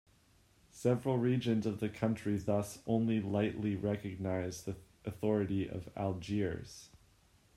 Several regions of the country thus only lightly recognize the authority of Algiers.